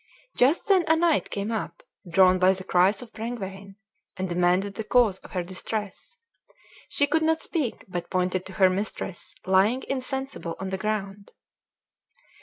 Just then a knight came up, drawn by the cries of Brengwain, and demanded the cause of her distress. She could not speak, but pointed to her mistress lying insensible on the ground.